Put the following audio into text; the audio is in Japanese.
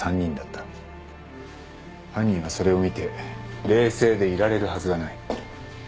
犯人はそれを見て冷静でいられるはずがない。